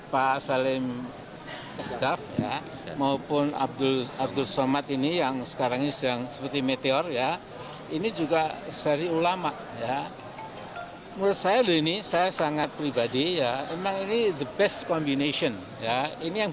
pak prabowo track recordnya sebagai pendamping